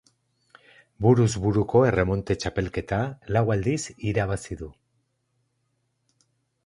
Buruz buruko erremonte txapelketa lau aldiz irabazi du.